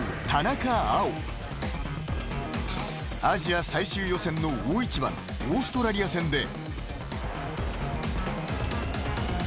［アジア最終予選の大一番オーストラリア戦で］